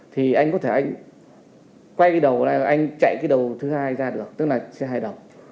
thì anh có thể quay cái đầu ra và anh chạy cái đầu thứ hai ra được tức là xe hai độc